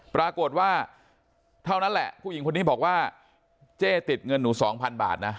ปรากฏว่าเท่านั้นแหละผู้หญิงคนนี้บอกว่าเจ๊ติดเงินหนูสองพันบาทนะ